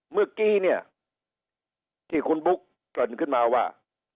เมื่อกี้เนี่ยที่คุณบุ๊กเกริ่นขึ้นมาว่า